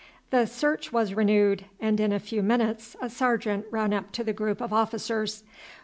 The search was renewed, and in a few minutes a sergeant ran up to the group of officers.